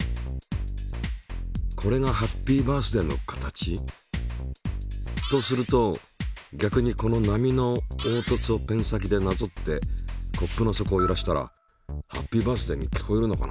これがハッピーバースディの形？とすると逆にこの波のおうとつをペン先でなぞってコップの底をゆらしたらハッピーバースディに聞こえるのかな？